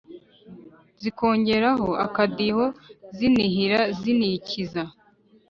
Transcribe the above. zikongeraho akadiho zinihira zinikiza